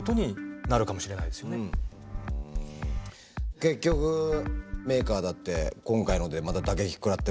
結局メーカーだって今回のでまた打撃食らってるわけですもんね。